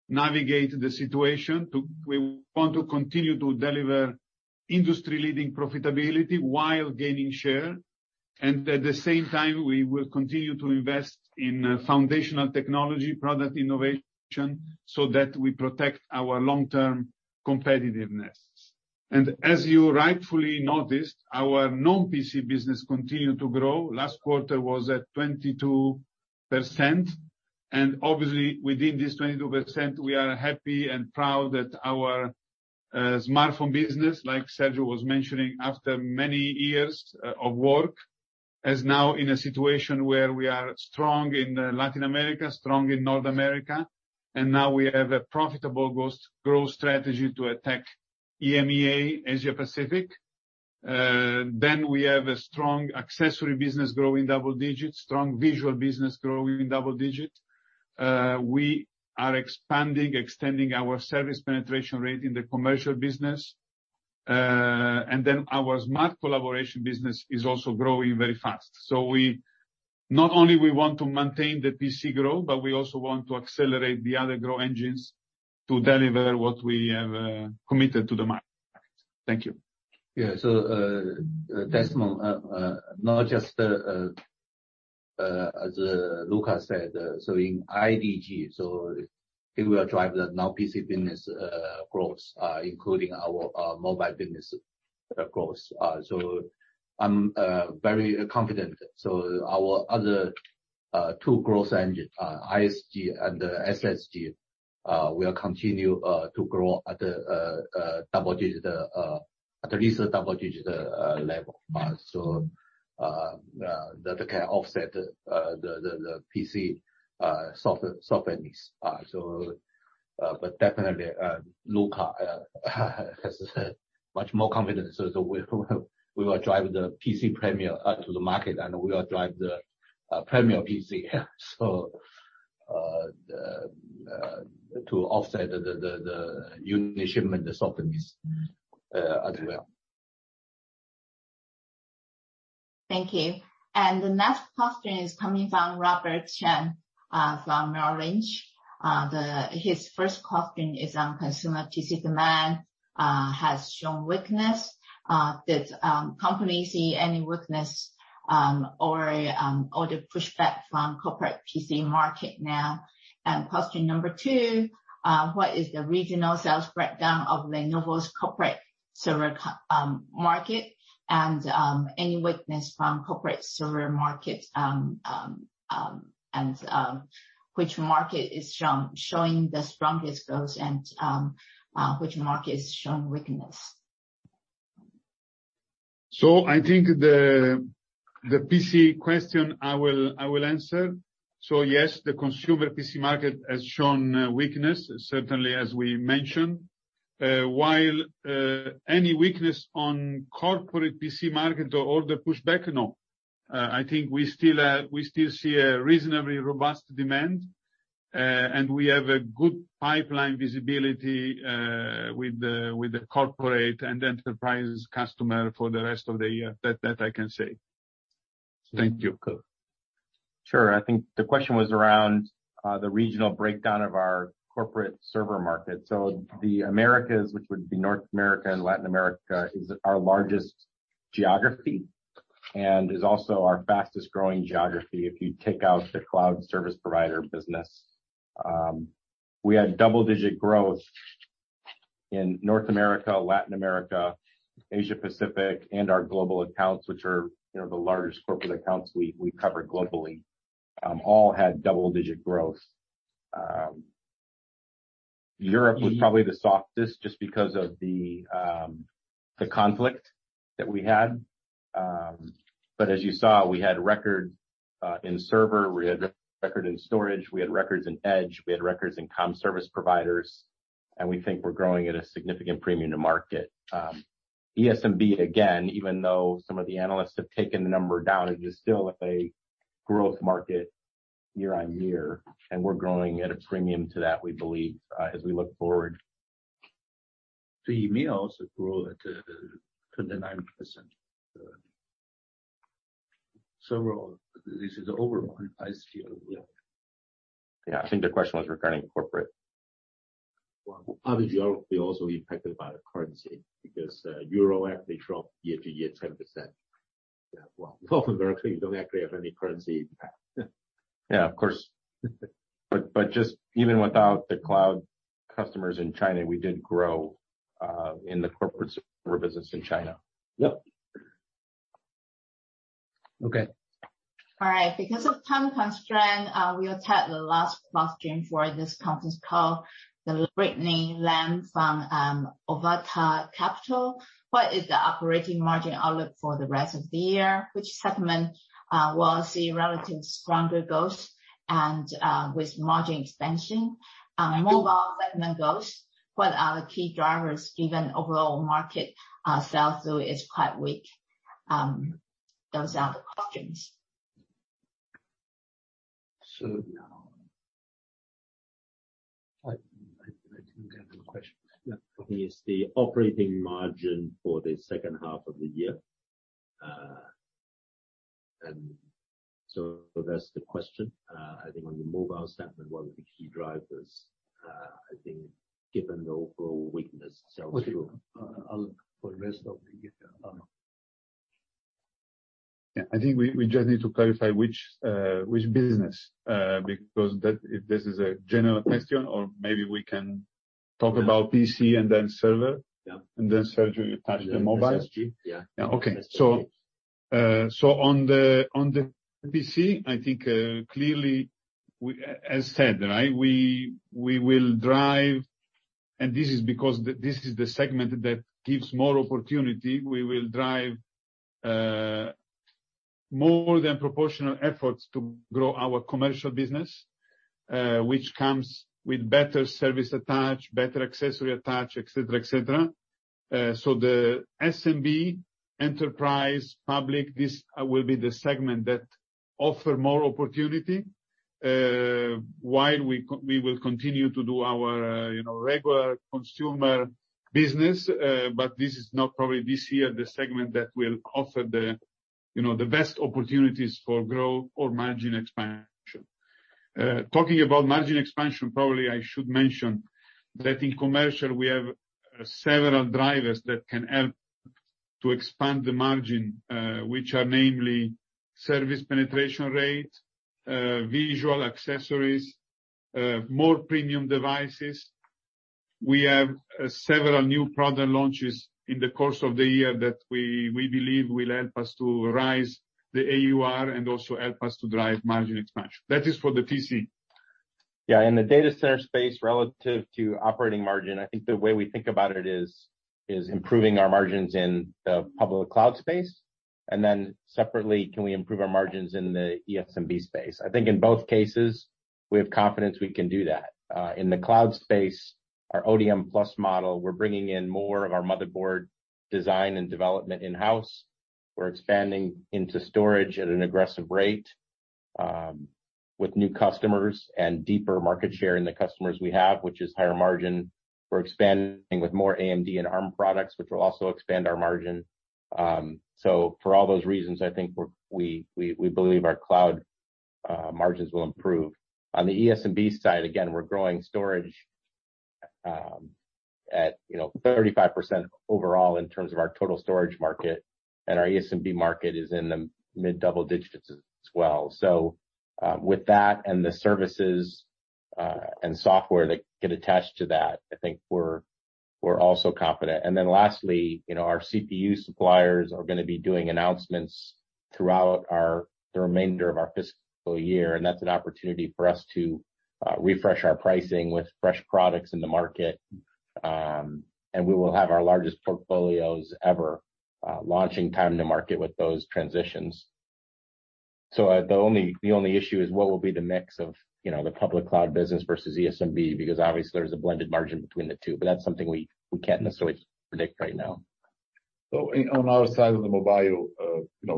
navigate the situation. We want to continue to deliver industry-leading profitability while gaining share. At the same time, we will continue to invest in foundational technology, product innovation, that we protect our long-term competitiveness. As you rightfully noticed, our non-PC business continued to grow. Last quarter was at 22%. Obviously, within this 22%, we are happy and proud that our smartphone business, like Sergio was mentioning, after many years of work, is now in a situation where we are strong in Latin America, strong in North America, and now we have a profitable growth strategy to attack EMEA, Asia-Pacific. Then we have a strong accessory business growing double digits, strong visual business growing double digits. We are expanding, extending our service penetration rate in the commercial business. And then our smart collaboration business is also growing very fast. Not only we want to maintain the PC growth, but we also want to accelerate the other growth engines to deliver what we have committed to the market. Thank you. Desmond, not just as Luca said, in IDG, I think we are driving the non-PC business growth, including our mobile business growth. I'm very confident. Our other two growth engine, ISG and SSG, will continue to grow at a double-digit, at least a double-digit, level. That can offset the PC softness. But definitely Luca has much more confidence. We will drive the PC premium to the market, and we will drive the premium PC to offset the unit shipment softness as well. Thank you. The next question is coming from Robert Chen from Merrill Lynch. His first question is on consumer PC demand has shown weakness. Does company see any weakness or order pushback from corporate PC market now? Question number two, what is the regional sales breakdown of Lenovo's corporate server market? Any weakness from corporate server market and which market is strong, showing the strongest growth and which market is showing weakness? I think the PC question I will answer. Yes, the consumer PC market has shown weakness, certainly, as we mentioned. Any weakness on corporate PC market or order pushback? No. I think we still see a reasonably robust demand, and we have a good pipeline visibility, with the corporate and enterprise customer for the rest of the year. That I can say. Thank you. Sure. Sure. I think the question was around the regional breakdown of our corporate server market. The Americas, which would be North America and Latin America, is our largest geography and is also our fastest-growing geography if you take out the cloud service provider business. We had double-digit growth in North America, Latin America, Asia-Pacific, and our global accounts, which are, the largest corporate accounts we cover globally, all had double-digit growth. Europe was probably the softest just because of the conflict that we had. As you saw, we had record in server, we had record in storage, we had records in Edge, we had records in cloud service providers, and we think we're growing at a significant premium to market. ESMB, again, even though some of the analysts have taken the number down, it is still a growth market year-on-year, and we're growing at a premium to that, we believe, as we look forward. The EMEA also grew at 29%. This is overall IDC- I think the question was regarding the corporate. Other geography also impacted by the currency because euro actually dropped year-over-year 10%. Well, North America, you don't actually have any currency impact. Of course. Just even without the cloud customers in China, we did grow in the corporate server business in China. Yep. Okay. All right. Because of time constraint, we will take the last question for this conference call, from Britney Lam from Ovata Capital. What is the operating margin outlook for the rest of the year? Which segment will see relative stronger growth and with margin expansion? Mobile segment growth, what are the key drivers given overall market sales though is quite weak. Those are the questions. I think I have the question. Is the operating margin for the second half of the year? That's the question, I think on the mobile segment, what are the key drivers, I think given the overall weakness sales through? Outlook for the rest of the year. I think we just need to clarify which business, because if this is a general question or maybe we can talk about PC and then server. Sergio at the Mobile. SSG. On the PC, I think, clearly, as said, right, we will drive. This is because this is the segment that gives more opportunity. We will drive more than proportional efforts to grow our commercial business, which comes with better service attached, better accessory attached, et cetera. The SMB enterprise public, this will be the segment that offer more opportunity, while we will continue to do our, regular consumer business, but this is not probably this year the segment that will offer the, the best opportunities for growth or margin expansion. Talking about margin expansion, probably I should mention that in commercial we have several drivers that can help to expand the margin, which are namely service penetration rate, visual accessories, more premium devices. We have several new product launches in the course of the year that we believe will help us to raise the AUR and also help us to drive margin expansion. That is for the PC. In the data center space relative to operating margin, I think the way we think about it is improving our margins in the public cloud space, and then separately, can we improve our margins in the ESMB space? I think in both cases, we have confidence we can do that. In the cloud space, our ODM Plus model, we're bringing in more of our motherboard design and development in-house. We're expanding into storage at an aggressive rate, with new customers and deeper market share in the customers we have, which is higher margin. We're expanding with more AMD and ARM products, which will also expand our margin. For all those reasons, I think we believe our cloud margins will improve. On the ESMB side, again, we're growing storage at, 35% overall in terms of our total storage market, and our ESMB market is in the mid-double digits as well. With that and the services and software that get attached to that, I think we're also confident. Lastly, our CPU suppliers are gonna be doing announcements throughout the remainder of our fiscal year, and that's an opportunity for us to refresh our pricing with fresh products in the market. We will have our largest portfolios ever launching time to market with those transitions. The only issue is what will be the mix of, the public cloud business versus ESMB, because obviously there's a blended margin between the two, but that's something we can't necessarily predict right now. On our side of the mobile,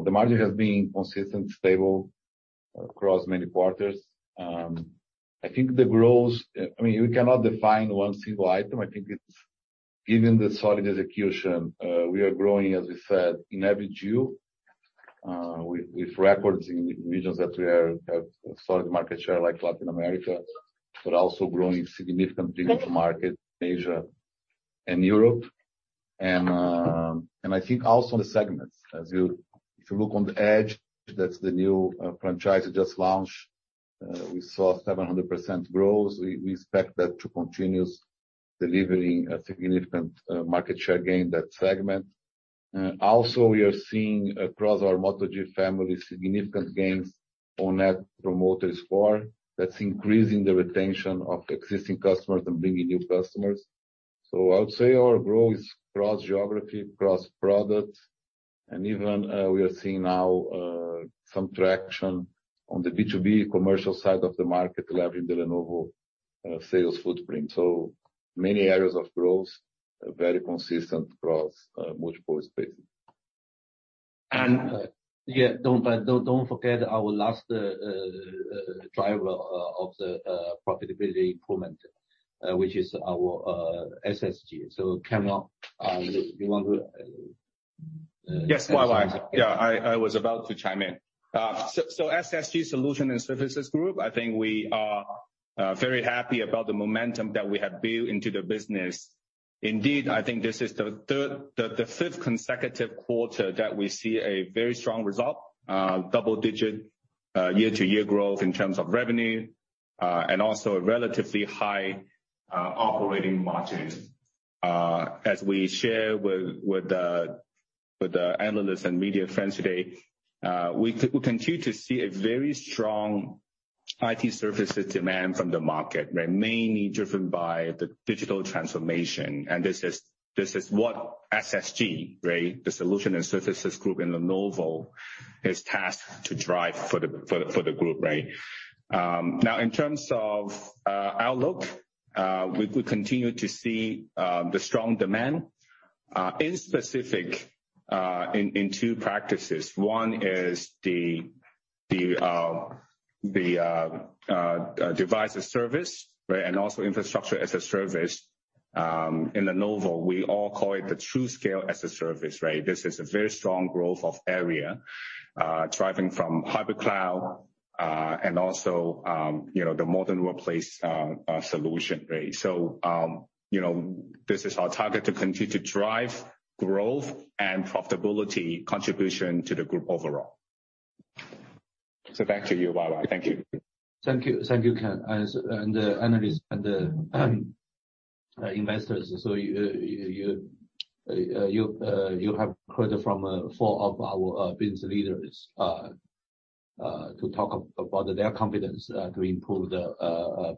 the margin has been consistent, stable across many quarters. I think the growth, I mean, we cannot define one single item. I think it's given the solid execution, we are growing, as we said, in every geo, with records in regions that we have solid market share like Latin America, but also growing significantly in two markets, Asia and Europe. I think also the segments. As you, if you look at the Edge, that's the new franchise just launched. We saw 700% growth. We expect that to continue delivering a significant market share gain that segment. Also we are seeing across our Moto G family significant gains on that promoter score that's increasing the retention of existing customers and bringing new customers. I would say our growth is cross-geography, cross-product, and even we are seeing now some traction on the B2B commercial side of the market, leveraging the Lenovo sales footprint. Many areas of growth, very consistent across multiple spaces. Don't forget our last driver of the profitability improvement, which is our SSG. Cannot you want to. Yes, Yang Yuanqing. I was about to chime in. So, SSG, Solutions and Services Group, I think we are very happy about the momentum that we have built into the business. Indeed, I think this is the fifth consecutive quarter that we see a very strong result. Double-digit year-to-year growth in terms of revenue, and also a relatively high operating margin. As we share with the analysts and media friends today, we continue to see a very strong IT services demand from the market, right? Mainly driven by the digital transformation. This is what SSG, right? The Solutions and Services Group in Lenovo is tasked to drive for the group. Right? Now in terms of outlook, we continue to see the strong demand in two specific areas. One is the Device-as-a-Service, right? Also Infrastructure-as-a-Service. In Lenovo, we all call it the TruScale as-a-Service, right? This is a very strong growth area driving from hybrid cloud and also, the modern workplace solution, right? this is our target to continue to drive growth and profitability contribution to the group overall. Back to you, Yang Yuanqing. Thank you. Thank you. Thank you, Ken. To the analysts and the investors. You have heard from four of our business leaders to talk about their confidence to improve the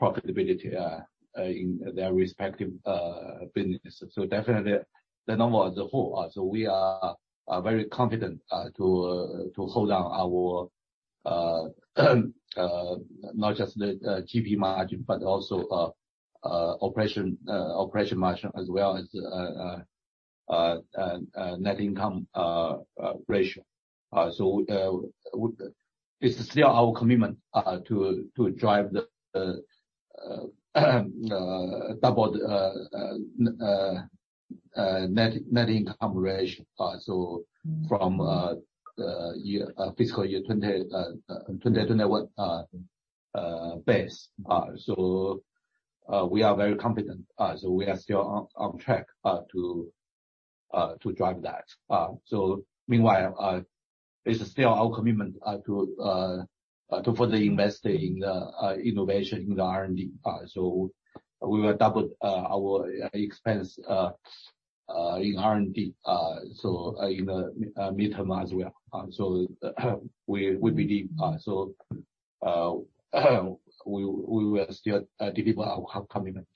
profitability in their respective business. Definitely Lenovo as a whole. We are very confident to hold our not just the GP margin but also operating margin as well as net income ratio. It's still our commitment to double the net income ratio from fiscal year 2021 base. We are very confident. We are still on track to drive that. Meanwhile, it's still our commitment to further invest in innovation in the R&D. We will double our expense in R&D in the midterm as well. We believe we will still deliver our commitment.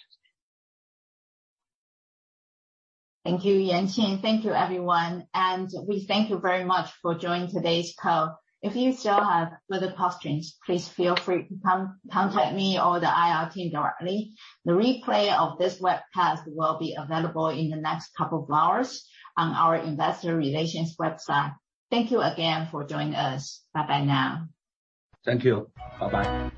Thank you, Yang Yuanqing. Thank you, everyone. We thank you very much for joining today's call. If you still have further questions, please feel free to contact me or the IR team directly. The replay of this webcast will be available in the next couple of hours on our investor relations website. Thank you again for joining us. Bye-bye now. Thank you.